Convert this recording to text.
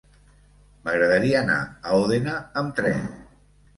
M'agradaria anar a Òdena amb tren.